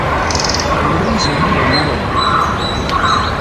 À ghɨ̀rə nzì nɨ mɨ̀ghurə̀.